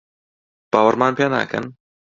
باوەڕمان پێ ناکەن؟